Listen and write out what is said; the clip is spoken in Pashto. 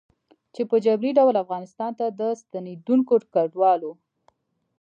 چې په جبري ډول افغانستان ته د ستنېدونکو کډوالو